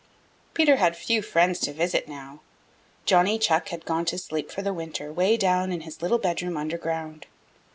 Peter had few friends to visit now. Johnny Chuck had gone to sleep for the winter 'way down in his little bedroom under ground.